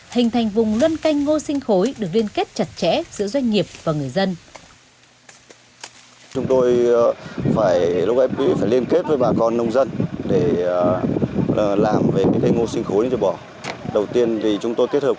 hình thành vùng luân canh ngô sinh khối được liên kết chặt chẽ